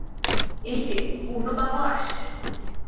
এই-যে পূর্ণবাবু আসছেন।